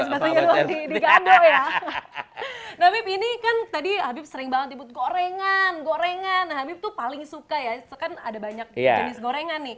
habib ini kan tadi habib sering banget tibut gorengan gorengan habib tuh paling suka ya kan ada banyak jenis gorengan nih